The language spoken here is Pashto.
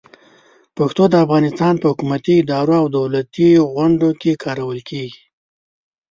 پښتو د افغانستان په حکومتي ادارو او دولتي غونډو کې کارول کېږي.